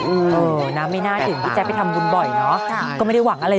เออนะไม่น่าถึงพี่แจ๊คไปทำบุญบ่อยเนอะก็ไม่ได้หวังอะไร